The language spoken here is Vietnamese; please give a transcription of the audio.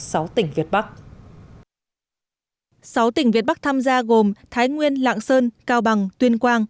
sáu tỉnh việt bắc sáu tỉnh việt bắc tham gia gồm thái nguyên lạng sơn cao bằng tuyên quang